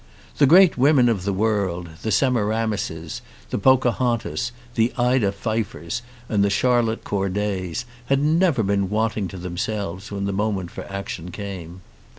The great women of the world, the Semiramises, the Pocahontas, the Ida Pfeiffers, and the Charlotte Cordays, had never been wanting to themselves when the moment for action came.